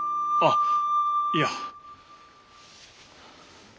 あっいや。